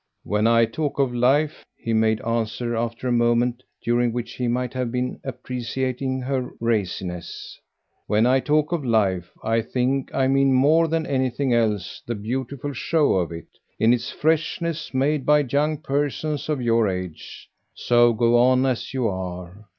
"When I talk of 'life,'" he made answer after a moment during which he might have been appreciating her raciness "when I talk of life I think I mean more than anything else the beautiful show of it, in its freshness, made by young persons of your age. So go on as you are.